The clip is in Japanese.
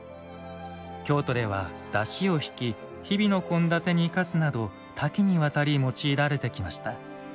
京都では、だしを引き日々の献立に生かすなど多岐にわたり用いられてきました。